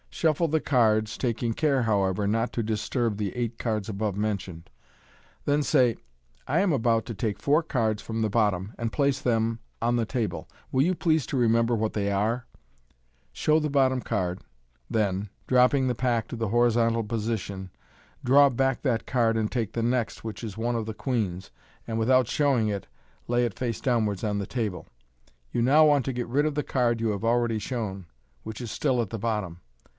Shuffle the cards, taking care however, not to disturb the eight cards above mentioned. Then say, * I am about to take four cards from the bottom, and place them on t^ 3 table. Will you please to remember what they are ?" Show the bottom card, then, dropping the pack to the horizontal position, "draw back" that card, and take the next, which is one of the queens, and, without showing it, lay it face downwards on the table. You now want to get rid of the card you have already shown, which is still at the bottom.